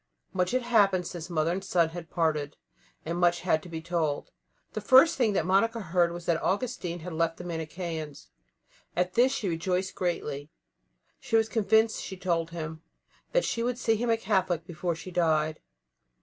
Much had happened since mother and son had parted, and much had to be told. The first thing that Monica heard was that Augustine had left the Manicheans. At this she rejoiced greatly; she was convinced, she told him, that she would see him a Catholic before she died.